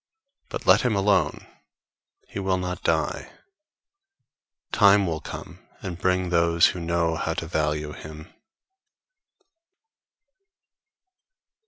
But let him alone; he will not die. Time will come and bring those who know how to value him.